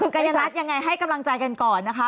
คือกัญญนัทยังไงให้กำลังใจกันก่อนนะคะ